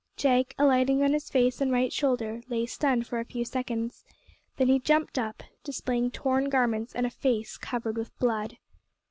Jake, alighting on his face and right shoulder, lay stunned for a few seconds. Then he jumped up, displaying torn garments and a face covered with blood.